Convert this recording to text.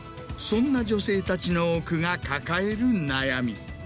そんな女性たちの多くが抱える悩み。